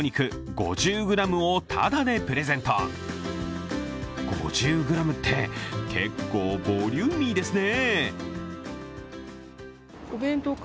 ５０ｇって、結構ボリューミーですね。